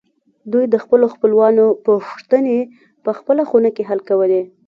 دوی د خپلو خپلوانو پوښتنې په بله خونه کې حل کولې